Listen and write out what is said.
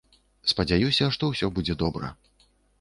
Спадзяюся, што ўсё будзе добра.